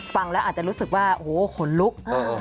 ฟังแล้วอาจจะรู้สึกว่าโอ้โหขนลุก